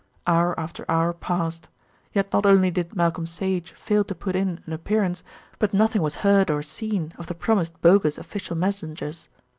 Hour after hour passed; yet not only did Malcolm Sage fail to put in an appearance, but nothing was heard or seen of the promised bogus official messengers.